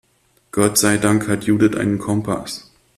Gott sei Dank hat Judith einen Kompass.